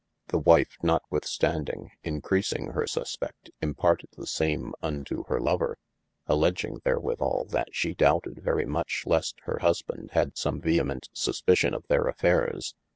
The wife notwithstanding increasing hir suspeft, imparted the same unto hir lover, alledging therewithal that she doubted verye much least hir husband had some vehemet suspicion of their affaires.